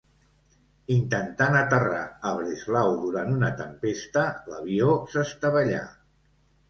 Intentant aterrar a Breslau durant una tempesta, l'avió s'estavellà.